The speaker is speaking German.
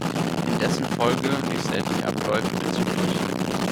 In dessen Folge liess er die Abläufe bzgl.